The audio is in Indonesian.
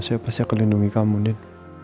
saya pasti akan lindungi kamu din